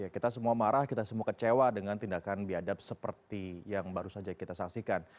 kita semua marah kita semua kecewa dengan tindakan biadab seperti yang baru saja kita saksikan